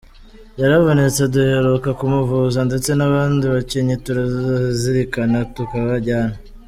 yaravunitse duheruka kumuvuza ndetse n’abandi bakinnyi turazirikana tukabajyana